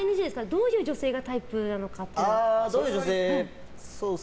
どういう女性がタイプなのかっていう。